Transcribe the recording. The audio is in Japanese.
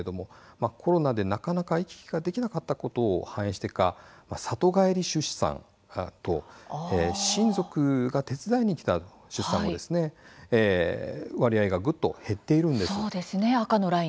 コロナでなかなか行き来ができなかったことを反映してか里帰り出産と親族の手伝いの割合がぐっと減っているんです。